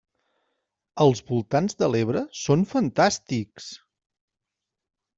Els voltants de l'Ebre són fantàstics!